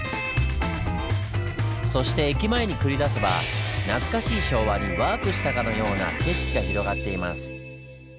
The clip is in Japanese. そして駅前に繰り出せば懐かしい昭和にワープしたかのような景色が広がっています。